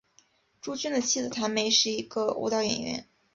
朱军的妻子谭梅是一个舞蹈演员。